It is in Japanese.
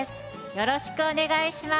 よろしくお願いします。